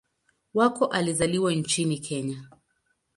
Wako alizaliwa nchini Kenya.